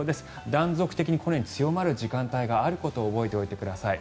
断続的にこのように強まる時間帯があることを覚えておいてください。